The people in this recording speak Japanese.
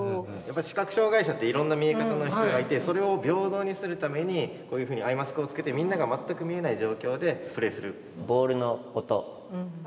視覚障害者っていろんな見え方の人がいてそれを平等にするためにこういうふうにアイマスクをつけてみんなが全く見えない状況でプレーする。